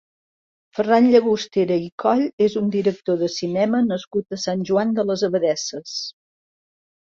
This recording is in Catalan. Ferran Llagostera i Coll és un director de cinema nascut a Sant Joan de les Abadesses.